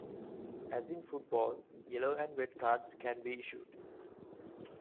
As in football, yellow and red cards can be issued.